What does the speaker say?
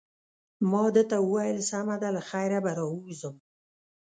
ما ده ته وویل: سمه ده، له خیره به راووځم.